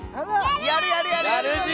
やるやる！